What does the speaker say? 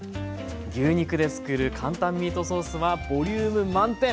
牛肉で作る簡単ミートソースはボリューム満点！